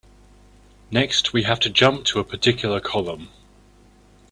Next, we have to jump to a particular column.